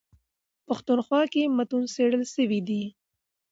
پښتونخوا کي متون څېړل سوي دي.